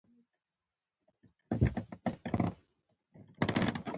دوی هر ډول نور ماورا الطبیعي عوامل نفي کوي.